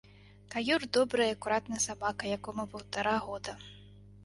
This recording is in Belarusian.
Каюр добры і акуратны сабака, якому паўтара года.